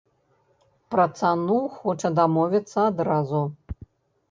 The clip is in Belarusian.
Пра цану хоча дамовіцца адразу.